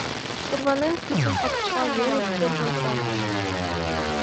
Тарванен, писын пакча велыш куржын колтышт.